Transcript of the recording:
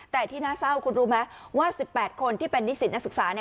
แต่ที่น่าเศร้าคุณรู้ไหมว่า๑๘คนที่เป็นนิสิตนักศึกษา